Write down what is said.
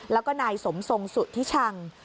แล้วก็นายสมทรงสุธิชัง